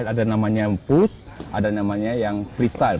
ada namanya push ada namanya yang freestyle